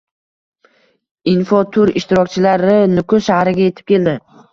Info-tur ishtirokchilari Nukus shahriga yetib keldi